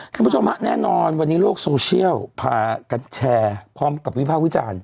คุณผู้ชมฮะแน่นอนวันนี้โลกโซเชียลพากันแชร์พร้อมกับวิภาควิจารณ์